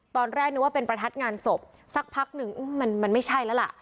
ตอนแรกนึกว่าเป็นประทัดงานศพสักพักหนึ่งมันไม่ใช่แล้วล่ะ